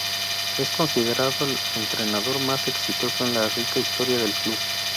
Es considerado el entrenador más exitoso en la rica historia del club.